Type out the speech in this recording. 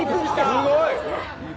すごい！